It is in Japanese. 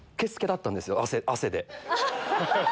汗で。